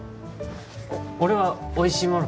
俺はおいしいもの